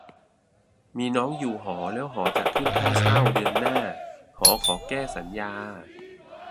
- มีน้องอยู่หอ แล้วหอจะขึ้นค่าเช่าเดือนหน้า หอขอแก้สัญญา